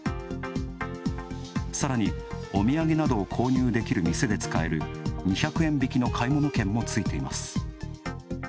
さらに、お土産などを購入できる店で使える２００円引きの買い物券もついています。